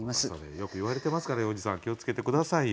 よく言われてますから要次さん気を付けて下さいよ。